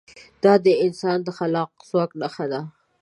دا د انسان د خلاق ځواک نښه ده.